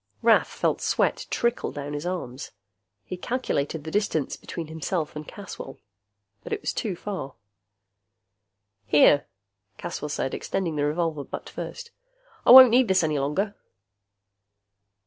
Rath felt sweat trickle down his arms. He calculated the distance between himself and Caswell. Too far. "Here," Caswell said, extending the revolver butt first. "I won't need this any longer."